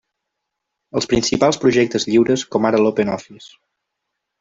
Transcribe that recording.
Els principals projectes lliures, com ara l'OpenOffice.